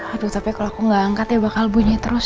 aduh tapi kalau aku gak angkat ya bakal bunyi terus